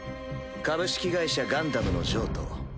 「株式会社ガンダム」の譲渡。